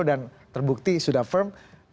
dan terbukti sudah firm